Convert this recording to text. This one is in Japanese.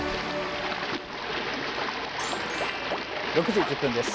６時１０分です。